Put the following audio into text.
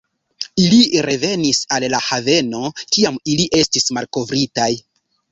Ili revenis al la haveno kiam ili estis malkovritaj.